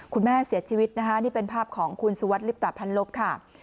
คุณแม่เสียชีวิตนะคะนี่เป็นภาพของคุณสุวัสดลิปตะพันลบค่ะ